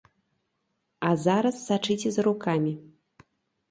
А зараз сачыце за рукамі.